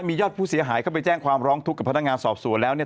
มียอดผู้เสียหายเข้าไปแจ้งความร้องทุกข์กับพนักงานสอบสวนแล้วเนี่ย